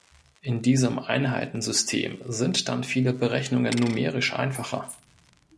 In diesem Einheitensystem sind dann viele Berechnungen numerisch einfacher.